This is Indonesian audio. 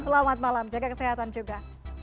selamat malam jaga kesehatan juga